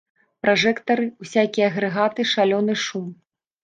Пражэктары, усякія агрэгаты, шалёны шум.